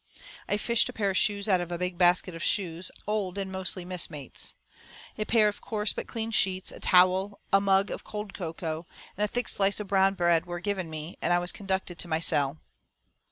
I fished a pair of shoes out of a big basket of shoes, old and mostly mismates. A pair of coarse but clean sheets, a towel, a mug of cold cocoa, and a thick slice of brown bread were given me, and I was conducted to my cell.